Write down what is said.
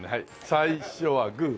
最初はグー。